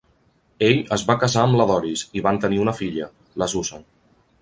Ell es va casar amb la Doris, i van tenir una filla, la Susan.